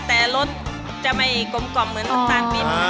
แต่รสจะไม่กลมกล่อมเหมือนน้ำตาลมิ้น